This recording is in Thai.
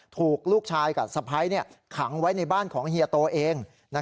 ถูกลูกชายกับสะพ้ายขังไว้ในบ้านของเฮียโตเอง